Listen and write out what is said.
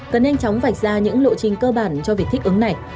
cần nhanh chóng vạch ra những lộ trình cơ bản cho việc thích ứng này